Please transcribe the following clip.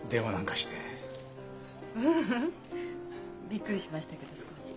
びっくりしましたけど少し。